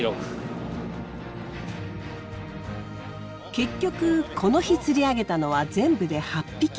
結局この日釣り上げたのは全部で８匹。